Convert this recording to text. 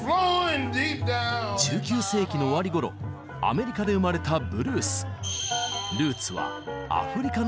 １９世紀の終わり頃アメリカで生まれたブルース。